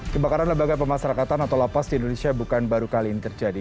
kebakaran lembaga pemasarakatan atau lapas di indonesia bukan baru kali ini terjadi